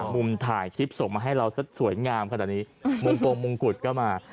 มุมปวงมุมกุดก็มา